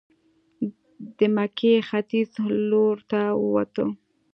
د مکې ختیځ لورته ووتو.